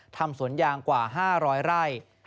ทำสวนยางกว่าห้าร้อยไร่